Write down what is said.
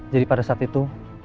jadi pada saat itu